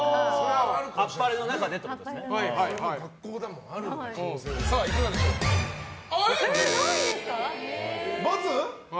「あっぱれ」の中でってことですか。×？